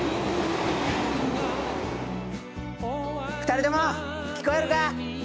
２人とも聞こえるか！